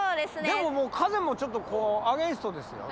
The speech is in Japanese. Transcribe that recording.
でも風もちょっとアゲンストですよ。